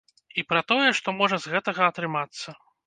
І пра тое, што можа з гэтага атрымацца.